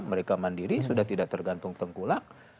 mereka mandiri sudah tidak tergantung tengkulak